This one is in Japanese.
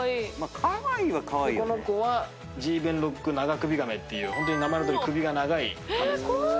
この子はジーベンロックナガクビガメっていうホントに名前のとおり首が長いカメさんですね。